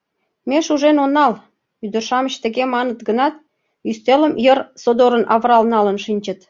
— Ме шужен онал, — ӱдыр-шамыч, тыге маныт гынат, ӱстелым йыр содорын авырал налын шинчыт.